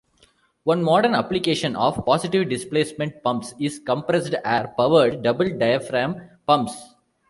One modern application of positive displacement pumps is compressed-air-powered double-diaphragm pumps.